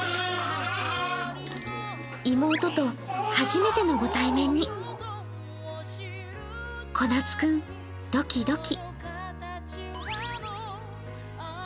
妹と初めてのご対面に、こなつ君、ドキドキ。